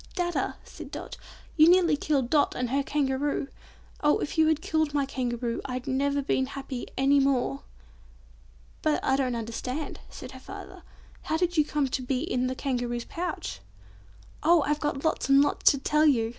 "Dadda," said Dot, "You nearly killed Dot and her Kangaroo! Oh if you killed my Kangaroo, I'd never have been happy any more!" "But I don't understand," said her father. "How did you come to be in the Kangaroo's pouch?" "Oh! I've got lots and lots to tell you!"